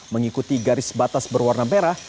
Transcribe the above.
mengikuti garis batas berwarna merah